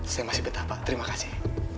saya masih betah pak terima kasih